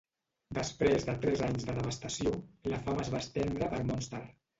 Després de tres anys de devastació, la fam es va estendre per Munster.